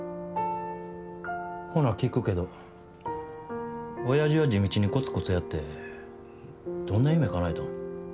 ほな聞くけどおやじは地道にコツコツやってどんな夢かなえたん。